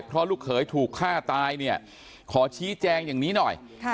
เพราะลูกเขยถูกฆ่าตายเนี่ยขอชี้แจงอย่างนี้หน่อย